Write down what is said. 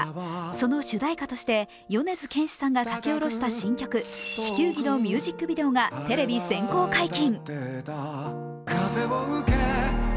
その主題歌として、米津玄師さんが書き下ろした新曲「地球儀」のミュージックビデオがテレビ先行解禁。